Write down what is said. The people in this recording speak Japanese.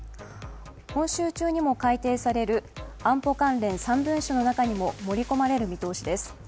今週中にも改定される安保関連３文書の中にも盛り込まれる見通しです。